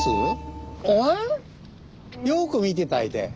よく見て頂いて。